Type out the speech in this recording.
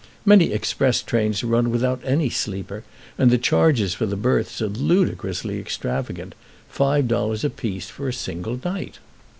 Many express trains are run without any sleeper, and the charges for berths are ludicrously extravagant five dollars apiece for a single night.